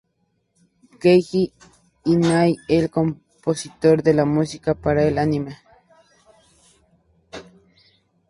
Keiji Inai es el compositor de la música para el anime.